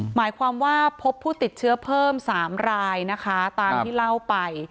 หมายความว่าพบผู้ติดเชื้อเพิ่ม๓รายนะคะตามที่เล่าไป